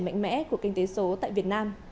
mạnh mẽ của kinh tế số tại việt nam